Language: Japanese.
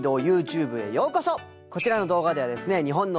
こちらの動画ではですね